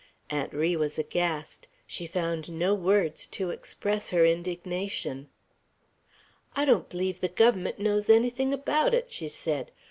Aunt Ri was aghast; she found no words to express her indignation. "I don't bleeve the Guvvermunt knows anything about it." she said.